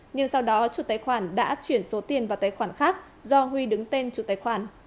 nhưng sau đó chủ tài khoản đã chuyển số tiền vào tài khoản khác do huy đứng tên chủ tài khoản